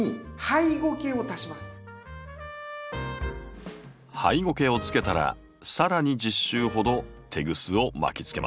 ハイゴケをつけたら更に１０周ほどテグスを巻きつけます。